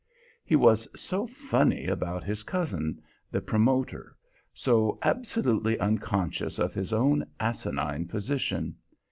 He was so funny about his cousin, the promoter; so absolutely unconscious of his own asinine position.